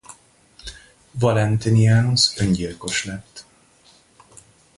Valentinianus öngyilkos lett.